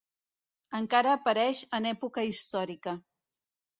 Encara apareix en època històrica.